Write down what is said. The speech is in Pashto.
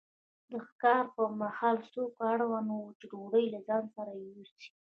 د ښکار پر مهال څوک اړ نه وو چې ډوډۍ له ځان سره یوسي.